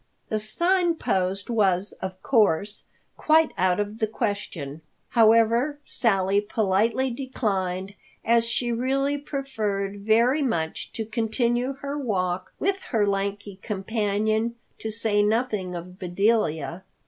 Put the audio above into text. The Sign Post was, of course, quite out of the question. However, Sally politely declined, as she really preferred very much to continue her walk with her lanky companion, to say nothing of Bedelia.